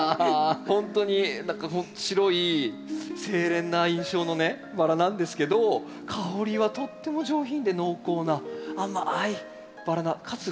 ほんとに何か白い清廉な印象のねバラなんですけど香りはとっても上品で濃厚な甘いバラなかつ